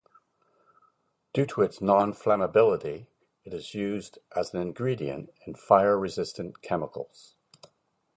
Due to its non-flammability it is used as an ingredient in fire-resistant chemicals.